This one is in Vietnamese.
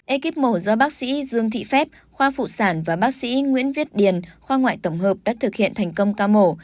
ekip mổ do bác sĩ dương thị phép khoa phụ sản và bác sĩ nguyễn viết điền khoa ngoại tổng hợp đã thực hiện thành công ca mổ